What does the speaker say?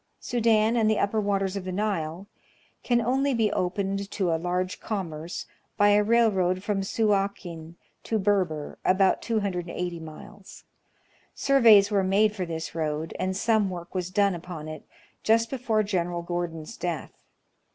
Sudan and the upper waters of the Nile can only be opened to a large commerce by a railroad from Suakin to Berber, about 280 miles. Surveys were made for this road, and some work was done upon it, just before Gen. Gordon's death.